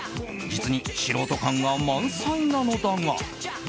実に素人感が満載なのだが。